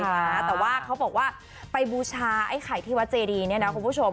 แต่ว่าเขาบอกว่าไปบูชาไอ้ไข่ที่วัดเจดีเนี่ยนะคุณผู้ชม